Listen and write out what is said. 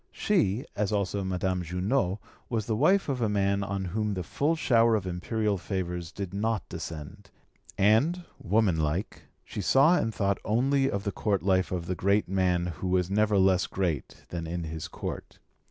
She, as also Madame Junot, was the wife of a man on whom the full shower of imperial favours did not descend, and, womanlike, she saw and thought only of the Court life of the great man who was never less great than in his Court.